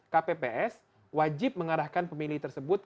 kpps wajib mengarahkan pemilih tersebut